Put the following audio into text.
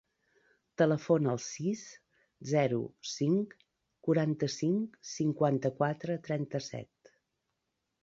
Telefona al sis, zero, cinc, quaranta-cinc, cinquanta-quatre, trenta-set.